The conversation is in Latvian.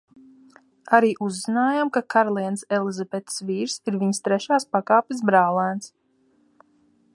Arī uzzinājām, ka karalienes Elizabetes vīrs ir viņas trešās pakāpes brālēns.